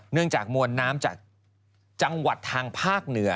จากมวลน้ำจากจังหวัดทางภาคเหนือ